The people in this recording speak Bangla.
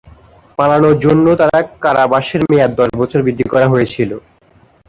পালানোর জন্য তার কারাবাসের মেয়াদ দশ বছর বৃদ্ধি করা হয়েছিল।